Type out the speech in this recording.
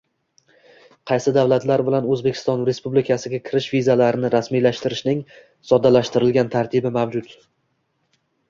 Qaysi davlatlar bilan O‘zbekiston Respublikasiga kirish vizalarini rasmiylashtirishning soddalashtirilgan tartibi mavjud?